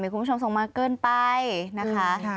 คุณผู้ชมส่งมาเกินไปนะคะ